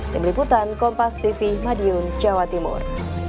diberikutan kompas tv madiun jawa timur